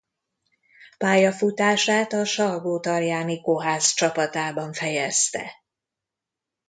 Pályafutását a Salgótarjáni Kohász csapatában fejezte.